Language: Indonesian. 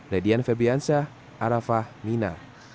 radian febriansyah arafah mina